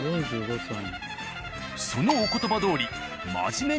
そのお言葉どおり。